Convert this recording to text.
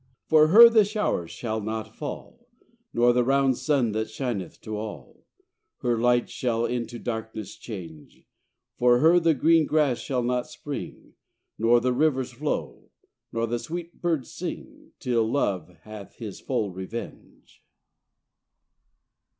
For her the showers shall not fall, Nor the round sun that shineth to all; Her light shall into darkness change; For her the green grass shall not spring, Nor the rivers flow, nor the sweet birds sing, Till Love have his full revenge.